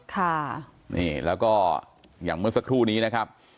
ค่ะนี่แล้วก็อย่างเมื่อสักครู่นี้นะครับ